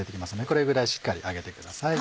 これぐらいしっかり揚げてください。